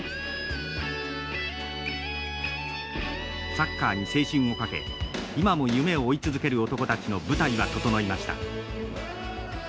サッカーに青春をかけ今も夢を追い続ける男たちの舞台は整いました。